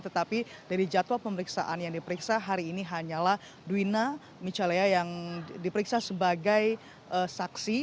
tetapi dari jadwal pemeriksaan yang diperiksa hari ini hanyalah dwi na mica lea yang diperiksa sebagai saksi